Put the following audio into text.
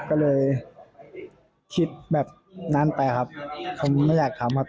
ก็เลยคิดแบบนั้นไปครับเขาไม่อยากทำครับ